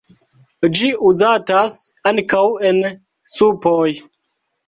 Ĝi uzatas ankaŭ en supoj.